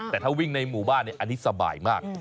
แต่ถ้าวิ่งในหมู่บ้านอันนี้สบายมาก